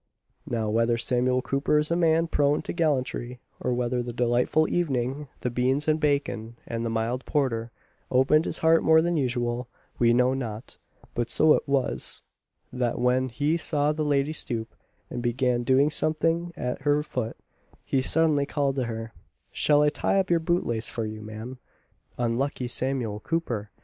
Now, whether Samuel Cooper is a man prone to gallantry, or whether the delightful evening, the beans and bacon, and the mild porter, opened his heart more than usual, we know not but so it was, that when he saw the lady stoop, and begin doing something at her foot, he suddenly called to her, "Shall I tie up your boot lace for you, Ma'am?" Unlucky Samuel Cooper!